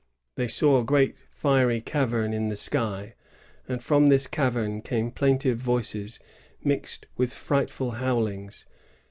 They saw a great fiery cavern in the sky, and from this cavern came plaintive voices mixed with frightful howlings.